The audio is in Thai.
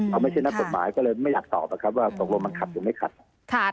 เขาไม่ใช่นักกฎหมายก็เลยไม่อยากตอบนะครับว่าตกลงมันขัดหรือไม่ขัด